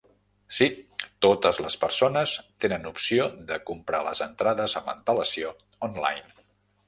Sí, totes les persones tenen opció de comprar les entrades amb antel·lacio online.